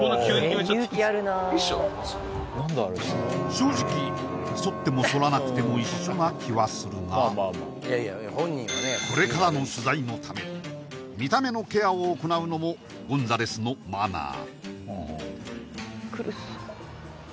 正直剃っても剃らなくても一緒な気はするがこれからの取材のため見た目のケアを行うのもゴンザレスのマナー